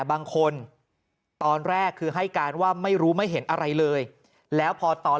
บางคนตอนแรกคือให้การว่าไม่รู้ไม่เห็นอะไรเลยแล้วพอตอน